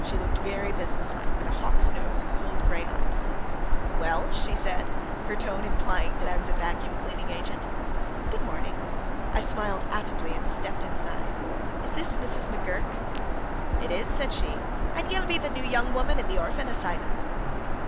She looked very businesslike, with a hawk's nose and cold gray eyes. "Well?" said she, her tone implying that I was a vacuum cleaning agent. "Good morning." I smiled affably, and stepped inside. "Is this Mrs. McGurk?" "It is," said she. "An' ye'll be the new young woman in the orphan asylum?"